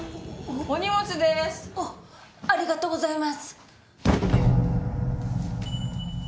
おっありがとうございます。